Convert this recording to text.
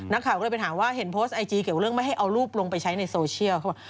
นักข่าวก็เลยไปถามว่าเห็นโพสต์ไอจีเกี่ยวเรื่องไม่ให้เอารูปลงไปใช้ในโซเชียลเขาบอก